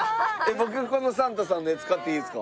僕このサンタさんのやつ買っていいですか？